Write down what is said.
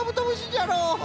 じゃろう。